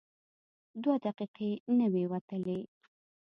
دوه دقیقې نه وې وتلې.